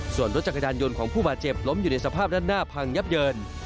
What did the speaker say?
ส่วนรถจักรยานยนต์ของผู้บาดเจ็บล้มอยู่ในสภาพด้านหน้าพังยับเยิน